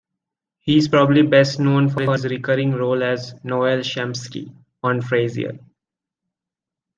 He is probably best known for his recurring role as Noel Shempsky on "Frasier".